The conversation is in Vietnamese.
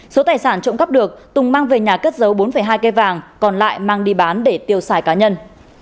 số tài sản trộm cắp được tùng mang về nhà cất giấu bốn hai cây vàng còn lại mang đi bán để tiêu xài cá nhân